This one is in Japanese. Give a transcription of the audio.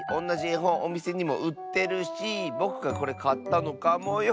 えほんおみせにもうってるしぼくがこれかったのかもよ。